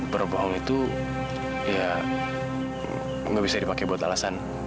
berbohong itu ya gak bisa dipakai buat alasan